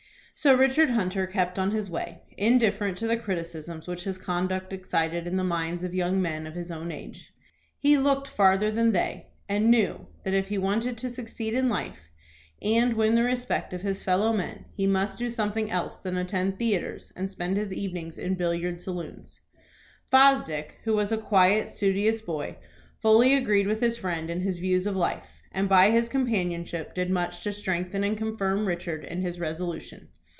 So Richard Hunter kept on his way, indifferent to the criticisms which his conduct excited in the minds of young men of his own age. He looked farther than they, and knew that if he wanted to succeed in life, and win the respect of his fellow men, he must do something else than attend theatres, and spend his evenings in billiard saloons. Fosdick, who was a quiet, studious boy, fully agreed with his friend in his views of life, and by his companionship did much to strengthen and confirm Richard in his resolution.